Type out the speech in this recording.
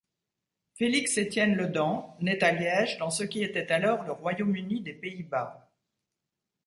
Félix-Étienne Ledent naît à Liège dans ce qui est alors le Royaume-Uni des Pays-Bas.